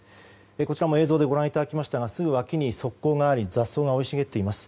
こちらも映像でご覧いただきましたがすぐ脇に側溝があり雑草が生い茂っています。